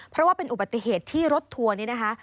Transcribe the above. เพราะว่าเป็นอุบัติเหตุที่รถทัวร์นี้นะคะ